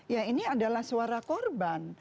ya ini adalah suara korban